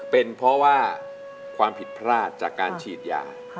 เป็นเพราะว่าความผิดพลาดจากการฉีดยา